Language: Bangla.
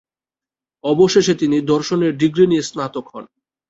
অবশেষে তিনি দর্শনে ডিগ্রি নিয়ে স্নাতক হন।